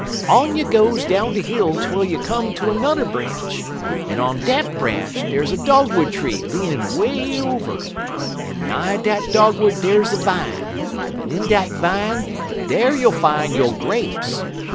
On you goes down de hill twel you come ter 'n'er branch, en on dat branch dars a dogwood tree leanin' 'way over, en nigh dat dogwood dars a vine, en in dat vine, dar you'll fine yo' grapes.